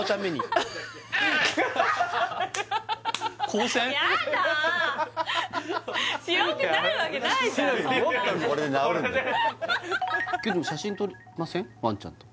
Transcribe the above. これでけども写真撮りません？